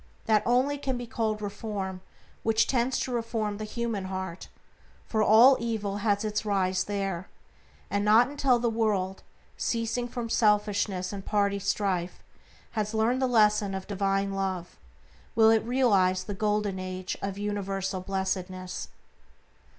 That only can be called reform which tends to reform the human heart, for all evil has its rise there, and not until the world, ceasing from selfishness and party strife, has learned the lesson of divine Love, will it realize the Golden Age of universal blessedness.